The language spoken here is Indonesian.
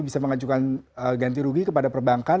bisa mengajukan ganti rugi kepada perbankan